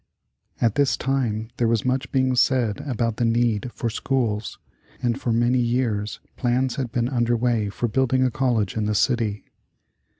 At this time there was much being said about the need for schools, and for many years plans had been under way for building a college in the city.